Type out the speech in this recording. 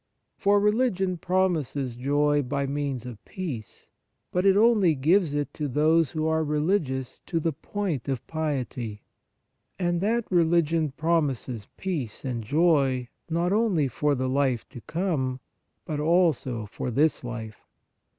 For religion promises joy by means of peace, but it only gives it to those who are religious to the point of piety. And that religion promises peace and joy not only for the life to come, but also for this life.